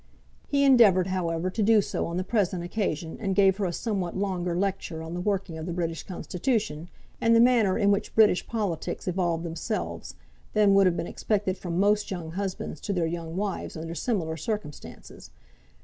He endeavoured, however, to do so on the present occasion, and gave her a somewhat longer lecture on the working of the British Constitution, and the manner in which British politics evolved themselves, than would have been expected from most young husbands to their young wives under similar circumstances.